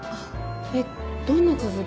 えっどんな続き？